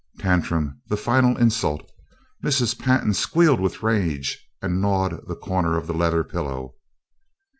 Tantrum! The final insult. Mrs. Pantin squealed with rage and gnawed the corner of the leather pillow.